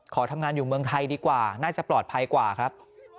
ขอทำงานอยู่เมืองไทยดีกว่าน่าจะปลอดภัยกว่าครับ